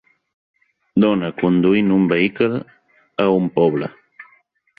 Dona conduint un vehicle a un poble.